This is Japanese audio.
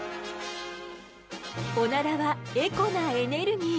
オナラはエコなエネルギー！